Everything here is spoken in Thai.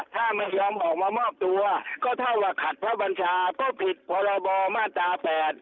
ถ้าไม่ยอมออกมามอบตัวก็เท่าว่าขัดพระบัญชาก็ผิดพรบมาตรา๘